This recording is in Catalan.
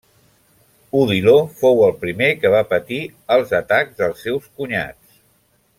Odiló fou el primer que va patir els atacs dels seus cunyats.